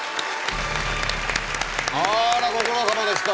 あらご苦労さまでした。